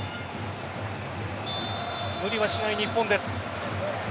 無理はしない日本です。